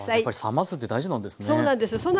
やっぱり冷ますって大事なんですね。